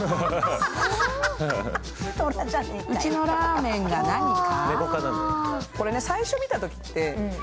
うちのラーメンが何か？